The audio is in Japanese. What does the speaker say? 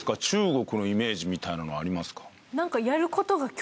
中国のイメージみたいのありますか？